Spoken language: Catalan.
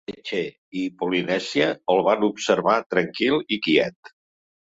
Chee-Chee i Polinèsia el van observar, tranquil i quiet.